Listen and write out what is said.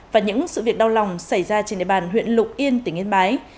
và những sự việc đau lòng xảy ra trên địa bàn huyện lục yên tỉnh yên bái